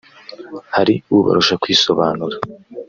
hari ubarusha kwisobanura